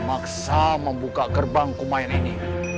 maksa membuka gerbang kumain ini